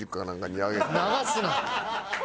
流すな！